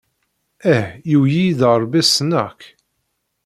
Eh, yuwey-iyi-d Ṛebbi ssneɣ-k!